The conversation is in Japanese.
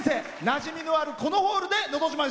なじみのある、このホールで「のど自慢」